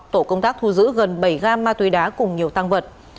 tổ công tác thu giữ gần bảy gam ma túy đá cùng nhiều tăng vật